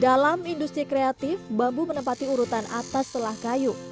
dalam industri kreatif bambu menempati urutan atas telah kayu